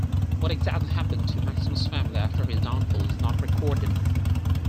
What exactly happened to Maximus' family after his downfall is not recorded.